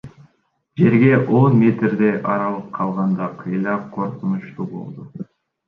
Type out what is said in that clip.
Жерге он метрдей аралык калганда кыйла коркунучтуу болду.